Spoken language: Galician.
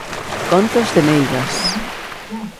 Contos de meigas.